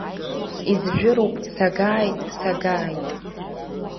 Изжәыроуп, сагааит, сагааит.